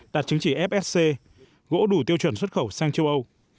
đạt chứng chỉ fsc gỗ đủ tiêu chuẩn xuất khẩu sang châu âu